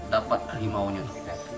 dapat harimau nya itu